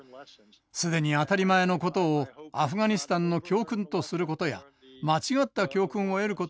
既に当たり前のことをアフガニスタンの教訓とすることや間違った教訓を得ることはしてほしくありません。